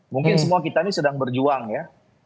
mungkin semua kita ini sedang berjuang ya